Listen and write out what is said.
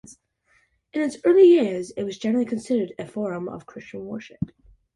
In its early years it was generally considered a forum of Christian worship.